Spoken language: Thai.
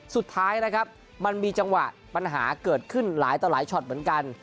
สุดท้ายนะครับมันมีจังหวะปัญหาเกิดขึ้นหลายต่อหลายช็อตเหมือนกัน